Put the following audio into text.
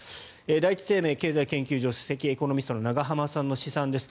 第一生命経済研究所首席エコノミストの永濱さんの試算です。